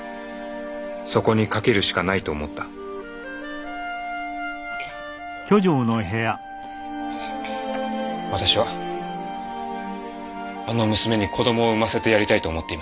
そこに賭けるしかないと思った私はあの娘に子どもを産ませてやりたいと思っています。